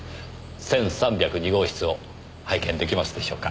１３０２号室を拝見できますでしょうか。